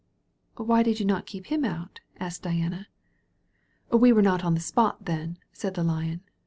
''Why did you not keep him out?" asked Di ana. "We were not on the spot, then," said the Lion.